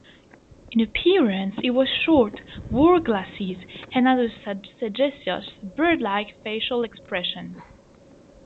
In appearance he was short, wore glasses, and had a sagacious, bird-like facial expression.